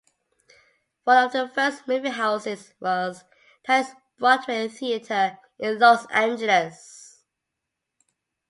One of the first movie houses was Tally's Broadway Theater in Los Angeles.